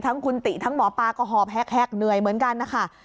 ทั้งคุณติทั้งหมอปลาก็หอบแฮกเหนื่อยเหมือนกันนะคะ